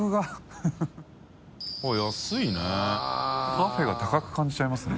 パフェが高く感じちゃいますね。